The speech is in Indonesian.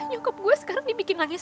ya lo tau dari mana